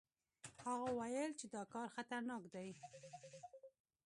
هغه ویل چې دا کار خطرناک دی.